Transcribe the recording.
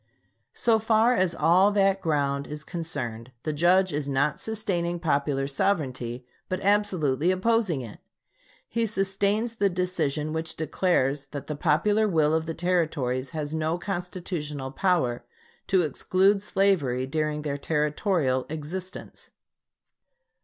So far as all that ground is concerned, the Judge is not sustaining popular sovereignty, but absolutely opposing it. He sustains the decision which declares that the popular will of the Territories has no constitutional power to exclude slavery during their territorial existence."